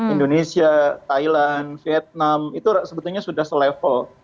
indonesia thailand vietnam itu sebetulnya sudah selevel